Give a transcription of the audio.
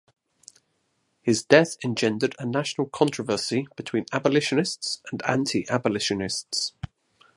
His death engendered a national controversy between abolitionists and anti-abolitionists.